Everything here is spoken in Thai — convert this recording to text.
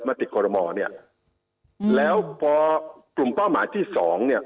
ติดคอรมอเนี่ยแล้วพอกลุ่มเป้าหมายที่สองเนี่ย